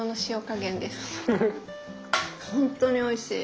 本当においしい。